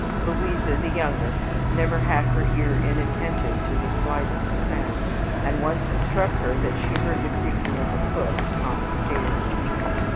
Louisa, the youngest, never had her ear inattentive to the slightest sound, and once it struck her that she heard the creaking of a foot upon the stairs.